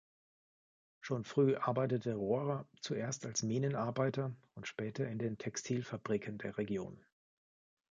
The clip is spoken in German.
Schon früh arbeitete Rorer zuerst als Minenarbeiter und später in den Textilfabriken der Region.